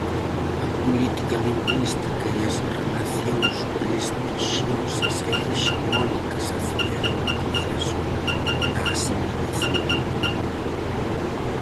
A política lingüística e as relacións prestixiosas e hexemónicas aceleran o proceso da asimilación.